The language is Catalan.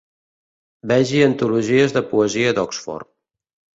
Vegi antologies de poesia d'Oxford.